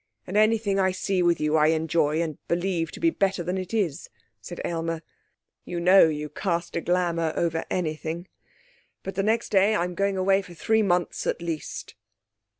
And anything I see with you I enjoy, and believe to be better than it is,' said Aylmer. 'You know you cast a glamour over anything. But the next day I'm going away for three months at least.'